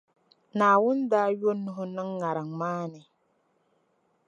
Naawuni daa yo Nuhu niŋ ŋariŋ maa ni.